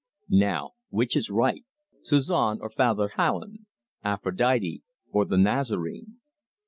Now which is right: Suzon or Father Hallon Aphrodite or the Nazarene?